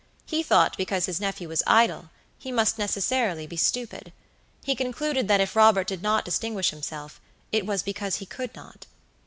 He thought because his nephew was idle, he must necessarily be stupid. He concluded that if Robert did not distinguish himself, it was because he could not.